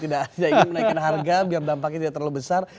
tidak hanya ingin menaikkan harga biar dampaknya tidak terlalu besar